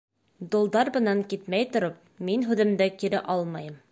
Долдар бынан китмәй тороп, мин һүҙемде кире алмайым.